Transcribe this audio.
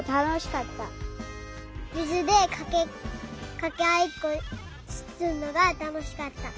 みずでかけあいっこするのがたのしかった。